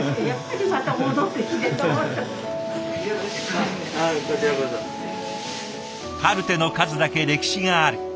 カルテの数だけ歴史がある。